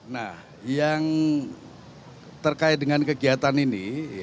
nah yang terkait dengan kegiatan ini